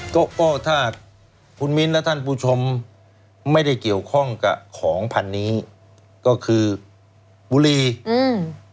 ก็ก็ถ้าคุณมิ้นและท่านผู้ชมไม่ได้เกี่ยวข้องกับของพันนี้ก็คือบุรีอืม